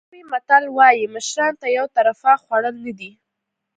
ملاوي متل وایي مشرانو ته یو طرفه خوړل نه دي.